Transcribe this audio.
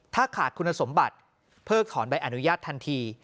ถ้าขาดคุณสมบัติเพิกถอนใบอนุญาตทันที